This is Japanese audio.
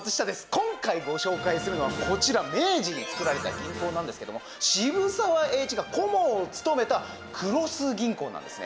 今回ご紹介するのはこちら、明治に作られた銀行なんですけども渋沢栄一が顧問を務めた黒須銀行なんですね。